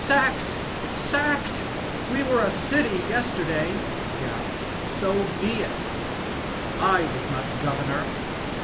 — Sackeal Sacked I We were a city yesterday. Gow. — So be it, but I was not governor.